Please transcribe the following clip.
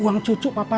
uang cucu papa sih